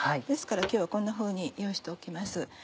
ですから今日はこんなふうに用意しておきます。